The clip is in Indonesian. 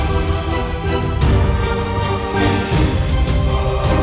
biar aku akan mencari minuman